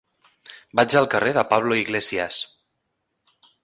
Vaig al carrer de Pablo Iglesias.